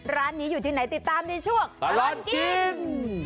ร้านนี้อยู่ที่ไหนติดตามในช่วงตลอดกิน